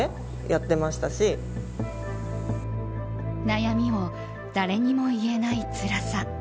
悩みを誰にも言えないつらさ。